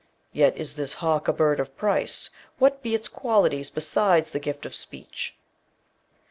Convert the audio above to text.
Yet is this hawk a bird of price. What be its qualities, besides the gift of speech?'